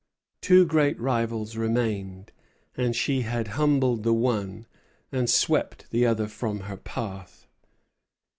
Two great rivals remained, and she had humbled the one and swept the other from her path.